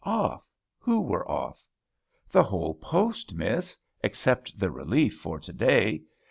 "Off, who are off?" "The whole post, Miss, except the relief for to day.